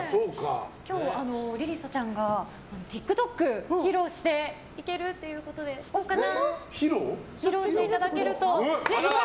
今日、莉里沙ちゃんがＴｉｋＴｏｋ披露してくれるということで、どうかな？